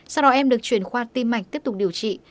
sau đó em được chuyển khoa tiêm mạch tiếp tục điều trị